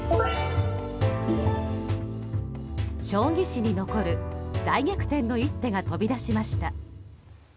将棋史に残る大逆転の一手が飛び出しました。